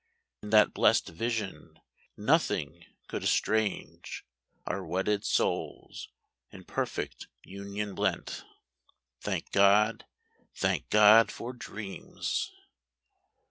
In that blest vision, nothing could estrange Our wedded souls, in perfect union blent. Thank God, thank God for dreams!